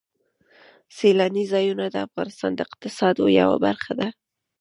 سیلاني ځایونه د افغانستان د اقتصاد یوه برخه ده.